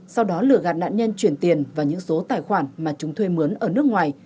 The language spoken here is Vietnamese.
sau đó lửa gạt nạn nhân chuyển tiền vào những số tài khoản mà chúng thuê mướn ở nước ngoài